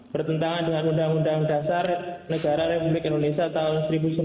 bertentangan dengan undang undang dasar negara republik indonesia tahun seribu sembilan ratus empat puluh